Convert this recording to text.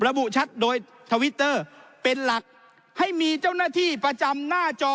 ระบุชัดโดยทวิตเตอร์เป็นหลักให้มีเจ้าหน้าที่ประจำหน้าจอ